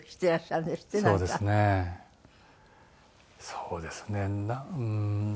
そうですね。